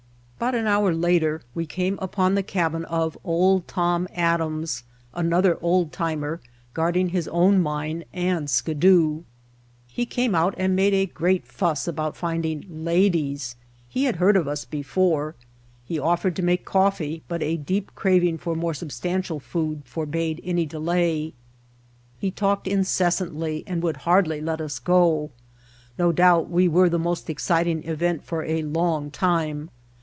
About an hour later we came upon the cabin of "Old Tom Adams," another old timer guard ing his own mine and Skidoo. He came out and made a great fuss about finding "ladies." He had heard of us before. He of fered to make coffee, but a deep craving for more substantial food forbade any delay. He talked incessantly and would hardly let us go; no doubt we were the most exciting event for a long time.